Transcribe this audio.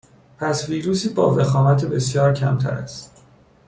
پس ویروسی با وخامت بسیار کمتر است